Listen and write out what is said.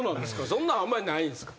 そんなんあんまりないんすか？